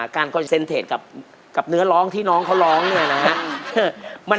คอนเซ็นเทจกับเนื้อร้องที่น้องเขาร้องเนี่ยนะฮะ